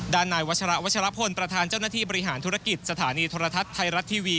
นายวัชระวัชรพลประธานเจ้าหน้าที่บริหารธุรกิจสถานีโทรทัศน์ไทยรัฐทีวี